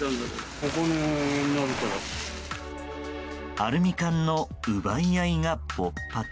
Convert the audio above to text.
アルミ缶の奪い合いが勃発。